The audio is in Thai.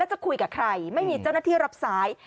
จะคุยกับใครไม่มีเจ้าหน้าที่รับสาย